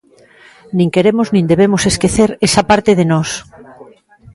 Nin queremos nin debemos esquecer esa parte de nós.